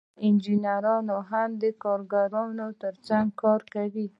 هلته انجینران هم د کارګرانو ترڅنګ کار کوي